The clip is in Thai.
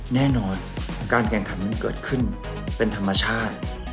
แน่นอนการแข่งขันมันเกิดขึ้นเป็นธรรมชาติ